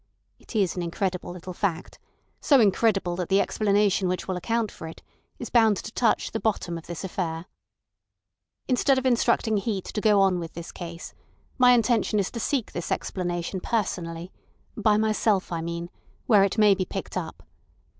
It is an incredible little fact, so incredible that the explanation which will account for it is bound to touch the bottom of this affair. Instead of instructing Heat to go on with this case, my intention is to seek this explanation personally—by myself, I mean—where it may be picked up.